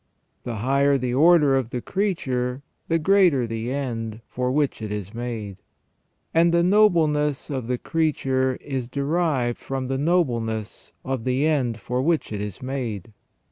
The higher the order of the creature the greater the end for which it is made, and the nobleness of the creature is derived from the nobleness of the end for which it is made.